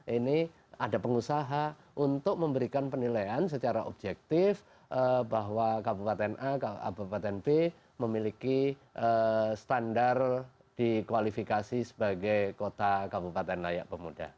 ini ada pengusaha untuk memberikan penilaian secara objektif bahwa kabupaten a kabupaten b memiliki standar dikualifikasi sebagai kota kabupaten layak pemuda